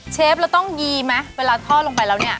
เชฟเราต้องยีไหมเวลาทอดลงไปแล้วเนี่ย